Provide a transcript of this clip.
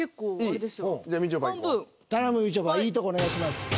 いいとこお願いします。